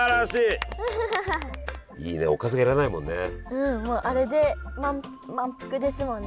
うんあれで満腹ですもんね。